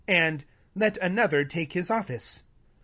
And, ' Let another take his of fice.'